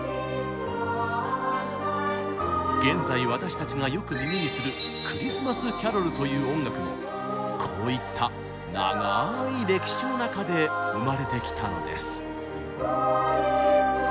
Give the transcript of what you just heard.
現在私たちがよく耳にする「クリスマスキャロル」という音楽もこういった長い歴史の中で生まれてきたのです。